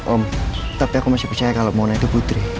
om tapi aku masih percaya kalau mona itu putri